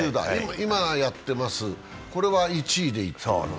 今やってます、これは１位でいってます。